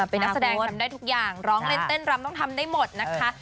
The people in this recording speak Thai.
เป็นนักแสดงทำได้ทุกอย่างร้องเล่นเต้นรำต้องทำได้หมดนะคะ